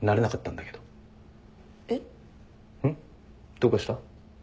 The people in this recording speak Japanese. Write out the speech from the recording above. どうかした？